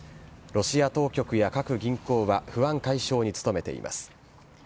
ロシア当局や各銀行は、不安解消に努めています。